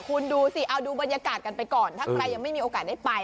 คุณดูสิเอาดูบรรยากาศกันไปก่อนถ้าใครยังไม่มีโอกาสได้ไป